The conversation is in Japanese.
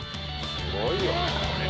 「すごいよ」